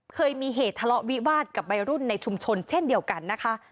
เคยมีเหตุทะเลาะวิวาสกับวัยรุ่นในชุมชนเช่นเดียวกันนะคะ